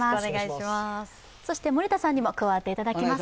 そして森田さんにも加わっていただきます。